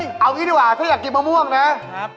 เอาอย่างนี้ดีกว่าถ้าอยากกินมะม่วงนะ